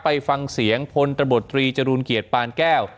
ไปฟังเสียงพลตบตรีจรูลเกียรติปานแก้ว